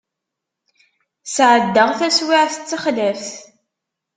Sεeddaɣ taswiεt d taxlaft.